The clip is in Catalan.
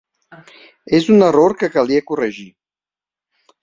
És un error que calia corregir.